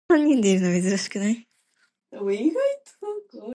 It's unwise to pay too much, but it's worse to pay too little.